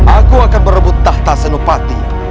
aku akan berebut tahta senupati